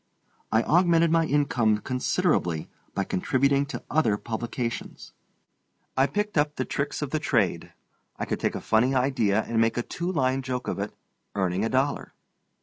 I augmented my income considerably by contributing to other publications. I picked up the tricks of the trade. I could take a funny idea and make a two line joke of it, earning a dollar.